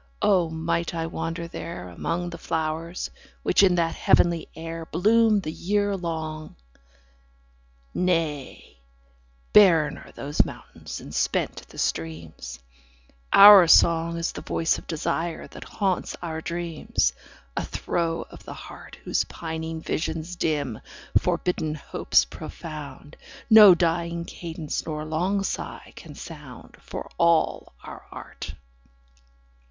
O might I wander there, Among the flowers, which in that heavenly air 5 Bloom the year long! Nay, barren are those mountains and spent the streams: Our song is the voice of desire, that haunts our dreams, A throe of the heart, Whose pining visions dim, forbidden hopes profound, 10 No dying cadence nor long sigh can sound, For all our art.